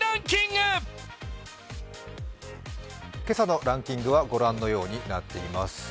今朝のランキングは御覧のようになっています。